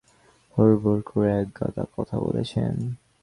হোড়বড় করে একগাদা কথা বলেছেন।